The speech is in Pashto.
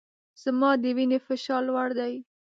زما د وینې فشار لوړ دی